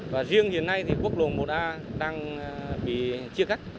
và riêng hiện nay thì quốc lộ một a đang bị chia cắt